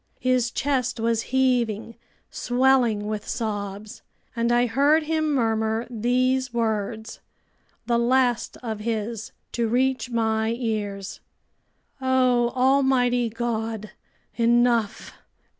His chest was heaving, swelling with sobs. And I heard him murmur these words, the last of his to reach my ears: "O almighty God! Enough!